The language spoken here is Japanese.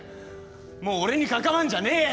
もう俺に関わんじゃねえよ。